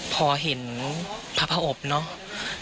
พอเห็นพระพระอบเนอะ